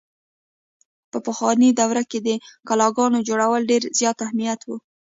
په پخواني دور کښې د قلاګانو جوړولو ډېر زيات اهميت وو۔